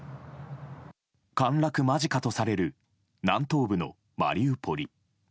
陥落間近とされる南東部のマリウポリ。